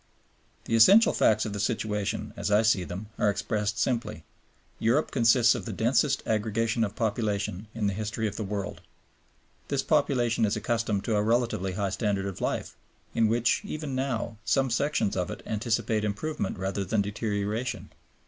The essential facts of the situation, as I see them, are expressed simply. Europe consists of the densest aggregation of population in the history of the world. This population is accustomed to a relatively high standard of life, in which, even now, some sections of it anticipate improvement rather than deterioration.